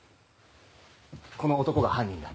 この男が犯人だ。